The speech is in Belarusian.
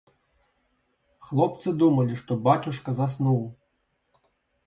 Хлопцы думалі, што бацюшка заснуў.